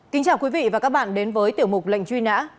kính chào quý vị và các bạn đến với tiểu mục lệnh truy nã